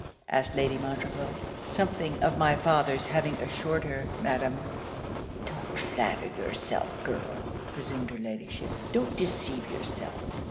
asked Lady Montreville. 'Something of my father's having assured her, Madam.' 'Don't flatter yourself, girl,' resumed her Ladyship, 'don't deceive yourself.